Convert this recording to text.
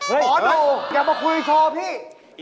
เฮ่ยเอาอย่ามาคุยโชว์พี่